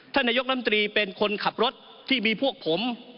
ท่านนายกน้ำตรีเป็นคนขับรถที่มีพวกผม